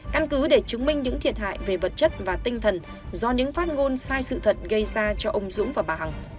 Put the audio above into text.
căn cứ để chứng minh những thiệt hại về vật chất và tinh thần do những phát ngôn sai sự thật gây ra cho ông dũng và bà hằng